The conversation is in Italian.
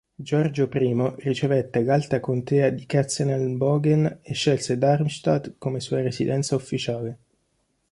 Giorgio I ricevette l'alta contea di Katzenelnbogen e scelse Darmstadt come sua residenza ufficiale.